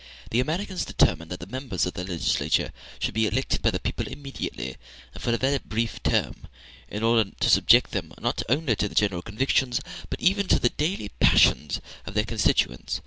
The Americans determined that the members of the legislature should be elected by the people immediately, and for a very brief term, in order to subject them, not only to the general convictions, but even to the daily passion, of their constituents.